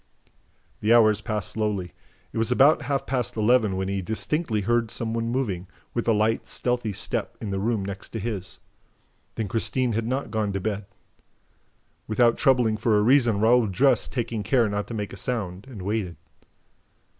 The hours passed slowly. It was about half past eleven when he distinctly heard some one moving, with a light, stealthy step, in the room next to his. Then Christine had not gone to bed! Without troubling for a reason, Raoul dressed, taking care not to make a sound, and waited.